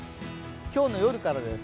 今日の夜からです。